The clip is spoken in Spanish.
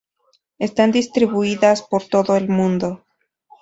Están distribuidas por todo el mundo.